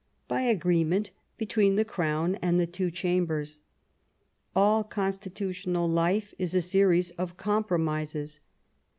" By agreement between the Crown and the two Chambers. ... All constitutional life is a series of compromises.